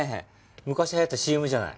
昔流行ったＣＭじゃない。